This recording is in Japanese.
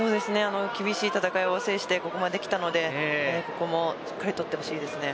厳しい戦いを制してここまできたのでここもしっかり取ってほしいです。